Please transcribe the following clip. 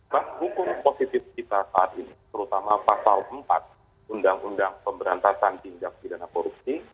bahkan hukum positif kita saat ini terutama pasal empat undang undang pemberantasan tindak pidana korupsi